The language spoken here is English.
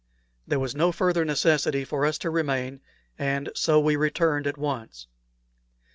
There was no further necessity for us to remain, and so we returned at once.